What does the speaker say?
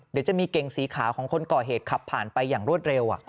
เดี๋ยวจะมีเก่งสีขาวของคนก่อเหตุขับผ่านไปอย่างรวดเร็ว